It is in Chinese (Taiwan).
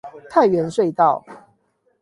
泰源隧道